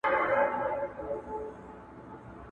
جرسونه به شرنګیږي د وطن پر لویو لارو.